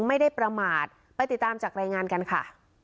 ไม่ได้ประมาทไปติดตามจากรายงานกันค่ะ